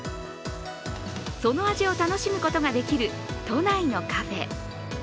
その味を楽しむことができる都内のカフェ。